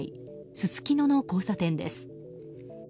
すすきのの交差点です。